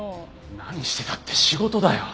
何してたって仕事だよ！